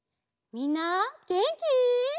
みんなげんき？